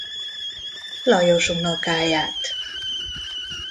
Lajos unokáját.